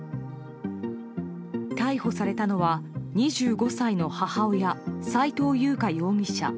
逮捕されたのは２５歳の母親、斉藤優花容疑者。